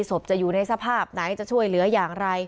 ศพจะอยู่ในสภาพไหนจะช่วยเหลืออย่างไร